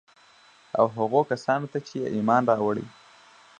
او هغو کسان ته چي ايمان ئې راوړى